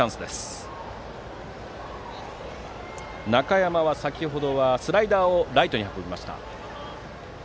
打席の中山は先程はスライダーをライトに運びました。